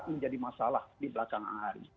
menjadi masalah di belakang hari